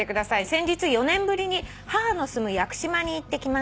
「先日４年ぶりに母の住む屋久島に行ってきました」